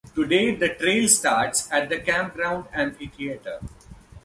Today, the trail starts at the campground amphitheater.